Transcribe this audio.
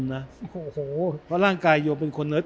เพราะร่างกายโยมเป็นคน